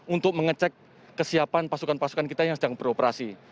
untuk mengecek kesiapan pasukan pasukan kita yang sedang beroperasi